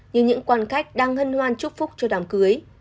như những quan khách đang hân hoan chúc phúc cho đàm cưới